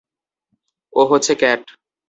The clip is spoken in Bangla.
ও হচ্ছে ক্যাট!